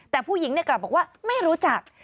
แต่ผู้หญิงกลับบอกว่าไม่รู้จัก